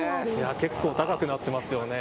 結構、高くなってますよね。